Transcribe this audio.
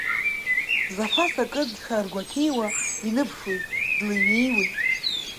Зафас акы дшаргәаҭеиуа иныԥшуеит, длеиҩеиуеит.